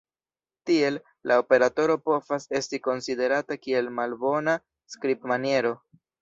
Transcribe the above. Tiel, la operatoro povas esti konsiderata kiel malbona skribmaniero.